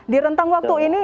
di rentang waktu ini